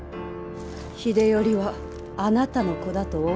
秀頼はあなたの子だとお思い？